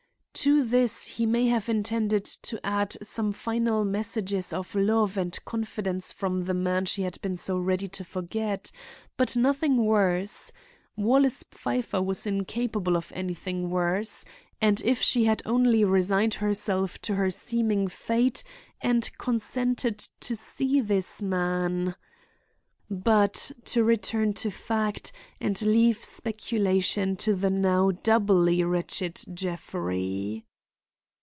To this he may have intended to add some final messages of love and confidence from the man she had been so ready to forget; but nothing worse. Wallace Pfeiffer was incapable of anything worse, and if she had only resigned herself to her seeming fate and consented to see this man— But to return to fact and leave speculation to the now doubly wretched Jeffrey.